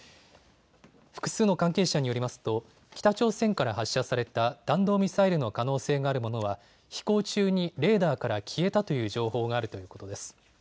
複数の関係者によりますと北朝鮮から発射された弾道ミサイルの可能性があるものは飛行中にレーダーから消えたという情報があるということです。